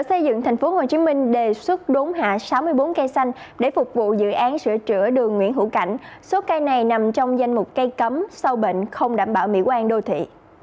hãy đăng ký kênh để ủng hộ kênh của mình nhé